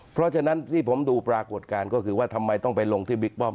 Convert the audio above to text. เพราะฉะนั้นที่ผมดูปรากฏการณ์ก็คือว่าทำไมต้องไปลงที่บิ๊กป้อม